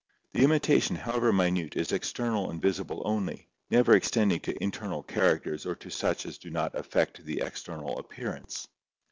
5. The imitation, however minute, is external and visible only, never extending to internal characters or to such as do not affect the external appearance.